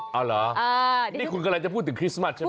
เอาเหรอนี่คุณกำลังจะพูดถึงคริสต์มัสใช่ไหม